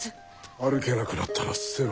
歩けなくなったら捨てろ。